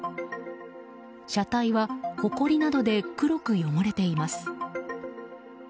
車体は、ほこりなどで黒く汚れています。